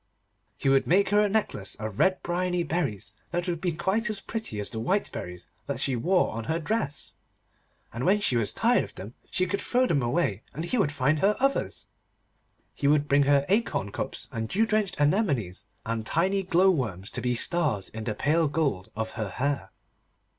He would make her a necklace of red bryony berries, that would be quite as pretty as the white berries that she wore on her dress, and when she was tired of them, she could throw them away, and he would find her others. He would bring her acorn cups and dew drenched anemones, and tiny glow worms to be stars in the pale gold of her hair.